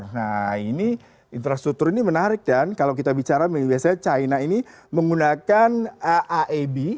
nah ini infrastruktur ini menarik dan kalau kita bicara biasanya china ini menggunakan aab